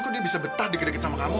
kok dia bisa betah deket deket sama kamu